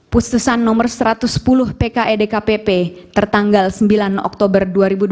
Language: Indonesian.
putusan nomor satu ratus sepuluh pke dkpp tahun dua ribu dua puluh tiga tertanggal sembilan oktober dua ribu dua puluh tiga